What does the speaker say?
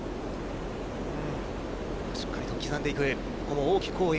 しっかりと刻んでいく。